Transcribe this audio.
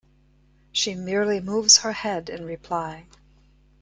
She merely moves her head in reply.